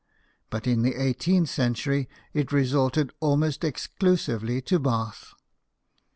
but in the eighteenth century it resorted almost exclusively to Bath.